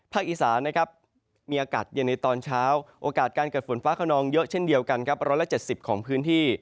อีสานนะครับมีอากาศเย็นในตอนเช้าโอกาสการเกิดฝนฟ้าขนองเยอะเช่นเดียวกันครับ๑๗๐ของพื้นที่